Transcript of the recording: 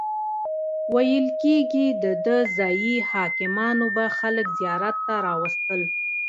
ویل کیږي دده ځایي حاکمانو به خلک زیارت ته راوستل.